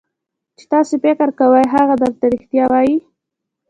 چې تاسو فکر کوئ هغه درته رښتیا وایي.